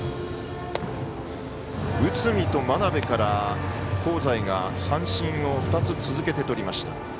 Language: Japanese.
内海と真鍋から香西が三振を２つ続けてとりました。